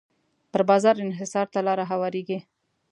پر بازار انحصار ته لاره هواریږي.